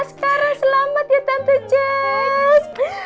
sekarang selamat ya tante jazz